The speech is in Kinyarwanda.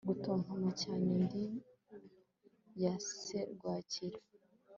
Gutontoma cyane din ya serwakira